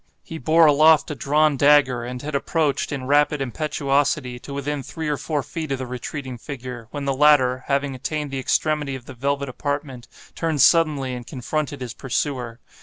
He bore aloft a drawn dagger, and had approached, in rapid impetuosity, to within three or four feet of the retreating figure, when the latter, having attained the extremity of the velvet apartment, turned suddenly and confronted his pursuer.